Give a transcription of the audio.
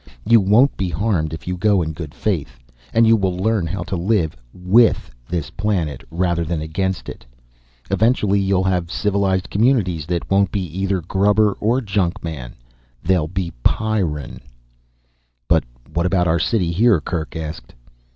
You won't be harmed if you go in good faith. And you will learn how to live with this planet, rather than against it. Eventually you'll have civilized communities that won't be either 'grubber' or 'junkman.' They'll be Pyrran." "But what about our city here?" Kerk asked.